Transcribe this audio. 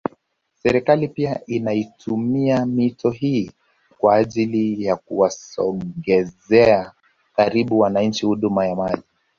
Serikali pia inaitumia mito hii kwa ajili ya kuwasogezeaa karibu wananchi huduma ya maji